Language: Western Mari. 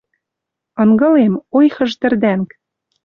Ынгылем — ойхыжы тӹрдӓнг.